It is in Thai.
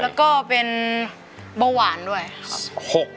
แล้วก็เป็นเบาหวานด้วยครับ